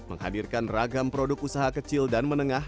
menghadirkan ragam produk usaha kecil dan menengah